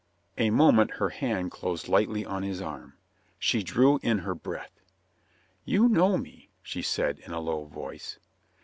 A moment her hand closed lightly on his arm. She drew in her breath. "You know me," she said in a low voice.